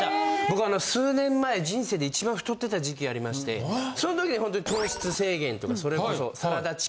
僕数年前人生で一番太ってた時期ありましてその時にほんとに糖質制限とかそれこそ。